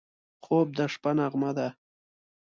خوب د شپه نغمه ده